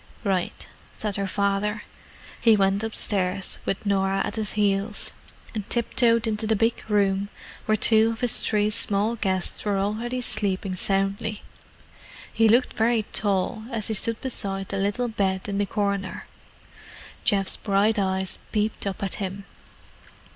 "Right," said her father. He went upstairs, with Norah at his heels, and tiptoed into the big room where two of his three small guests were already sleeping soundly. He looked very tall as he stood beside the little bed in the corner. Geoff's bright eyes peeped up at him.